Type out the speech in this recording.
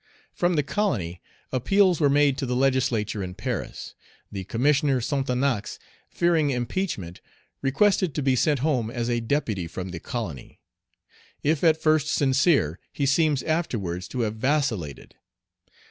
From the colony appeals were made to the Legislature in Paris. The Commissioner, Sonthonax, fearing impeachment, requested to be sent home as a deputy from the colony. If at first sincere, he seems afterwards to have vacillated.